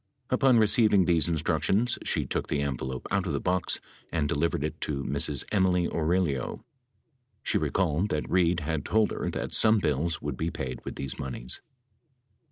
Upon receiving these instructions, she took the envelope out, of the box and delivered it to Ms. Emily Aurelio. She recalled that Reid had told her that some bills would be paid with these moneys.